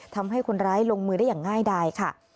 ทำให้คนร้ายลงมือได้อย่างง่ายดายค่ะ